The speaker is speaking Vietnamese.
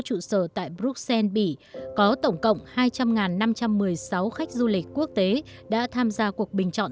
trụ sở tại bruxelles bỉ có tổng cộng hai trăm linh năm trăm một mươi sáu khách du lịch quốc tế đã tham gia cuộc bình chọn